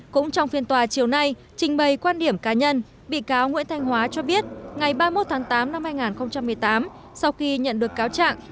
cũng trong phiên tòa chiều nay trình bày quan điểm cá nhân bị cáo nguyễn thanh hóa cho biết ngày ba mươi một tháng tám năm hai nghìn một mươi tám sau khi nhận được cáo trạng